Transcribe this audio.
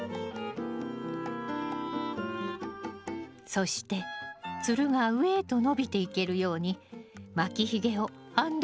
そしてつるが上へと伸びていけるように巻きひげをあんどん支柱に絡めてね。